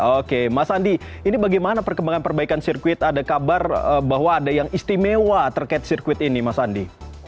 oke mas andi ini bagaimana perkembangan perbaikan sirkuit ada kabar bahwa ada yang istimewa terkait sirkuit ini mas andi